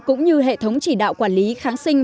cũng như hệ thống chỉ đạo quản lý kháng sinh